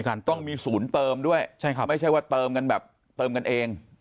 ก็ต้องมีศูนย์เติมด้วยไม่ใช่ว่าเติมกันแอ็ง